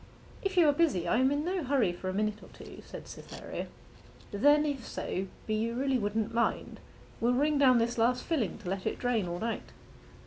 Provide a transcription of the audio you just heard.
'If you are busy I am in no hurry for a minute or two,' said Cytherea. 'Then if so be you really wouldn't mind, we'll wring down this last filling to let it drain all night?